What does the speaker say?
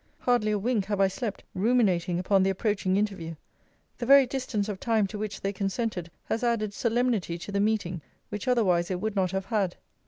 Hardly a wink have I slept, ruminating upon the approaching interview. The very distance of time to which they consented, has added solemnity to the meeting, which otherwise it would not have had.